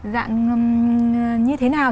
dạng như thế nào